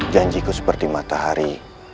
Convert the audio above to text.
janjiku seperti matahari